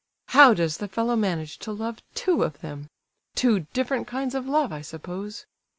How does the fellow manage to love two of them? Two different kinds of love, I suppose!